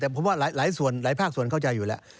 แต่ผมว่าหลายภาคส่วนเข้าใจเลย